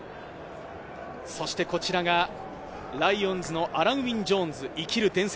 そしてこちらが、ライオンズのアラン＝ウィン・ジョーンズ、生きる伝説。